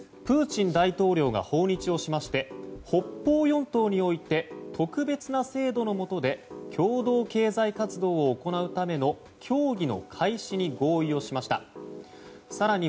プーチン大統領が訪日しまして北方四島において特別な制度の下で共同経済活動を行うための協議の開始に合意をしました。